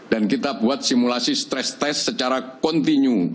dan kita buat simulasi stress test secara continue